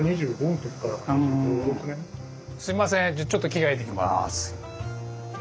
すいませんじゃちょっと着替えてきます。